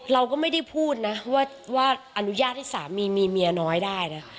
เราก็ไม่ได้พูดนะว่าอนุญาตให้สามีมีเมียน้อยได้นะ